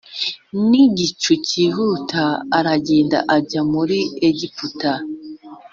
N igicu cyihuta aragenda ajya muri egiputa